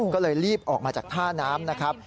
ก็เลยรีบออกมาจากท่าน้ำนะครับ